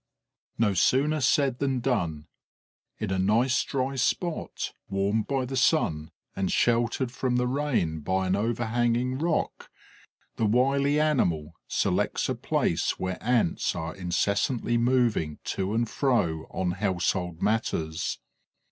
No sooner said than done. In a nice dry spot, warmed by the sun and sheltered from the rain by an overhanging rock, the wily animal selects a place where Ants are incessantly moving to and fro on household matters.